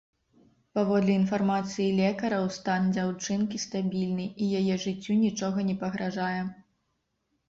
Паводле інфармацыі лекараў, стан дзяўчынкі стабільны, і яе жыццю нічога не пагражае.